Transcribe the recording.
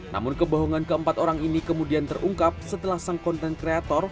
namun kebohongan keempat orang ini kemudian terungkap setelah sang konten kreator